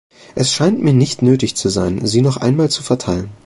Es scheint mir nicht nötig zu sein, sie noch einmal zu verteilen.